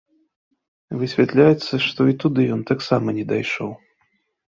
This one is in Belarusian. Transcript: Высвятляецца, што і туды ён таксама не дайшоў.